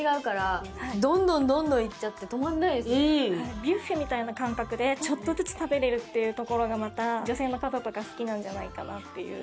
ビュッフェみたいな感覚でちょっとずつ食べれるっていうところがまた女性の方とか好きなんじゃないかなって。